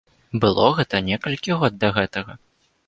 Было гэта некалькі год да гэтага.